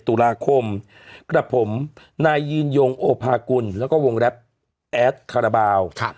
ตุลาคมกับผมนายยืนยงโอภากุลแล้วก็วงแรปแอดคาราบาล